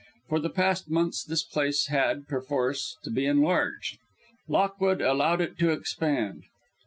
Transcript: For the past months this place had, perforce, to be enlarged. Lockwood allowed it to expand.